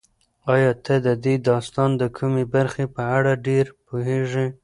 ایا ته د دې داستان د کومې برخې په اړه ډېر پوهېږې؟